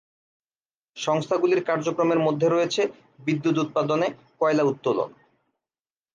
সংস্থাগুলির কার্যক্রমের মধ্যে রয়েছে বিদ্যুৎ উৎপাদনে কয়লা উত্তোলন।